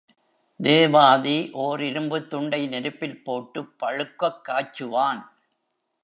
தேவாதி ஓர் இரும்புத் துண்டை நெருப்பில் போட்டுப் பழுக்கக் காய்ச்சுவான்.